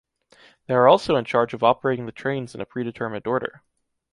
They are also in charge of operating the trains in a predetermined order.